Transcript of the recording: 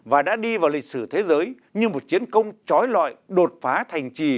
và đã đi vào lịch sử thế giới như một chiến công trói loại đột phá thành trì